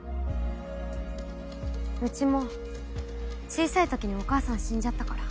うちも小さい時にお母さん死んじゃったから。